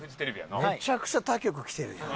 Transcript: めちゃくちゃ他局来てるやん。